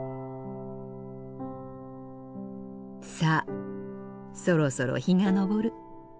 さあそろそろ日が昇る。